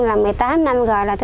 làm một mươi tám năm rồi